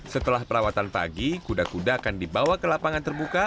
setelah perawatan pagi kuda kuda akan dibawa ke lapangan terbuka